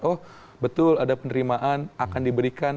oh betul ada penerimaan akan diberikan